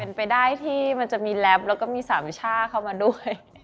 เผรินไปได้ที่มันจะมีแรปและสามชาเข้ามาด้วย